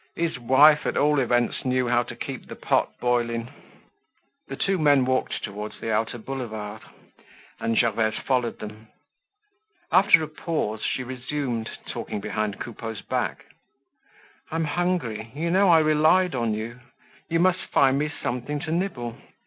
His wife, at all events, knew how to keep the pot boiling! The two men walked towards the outer Boulevard, and Gervaise followed them. After a pause, she resumed, talking behind Coupeau's back: "I'm hungry; you know, I relied on you. You must find me something to nibble."